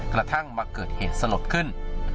กระทั่งมาเกิดเหตุสลดขึ้น